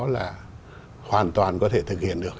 là hoàn toàn có thể thực hiện được